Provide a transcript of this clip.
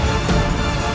dan menangkap kake guru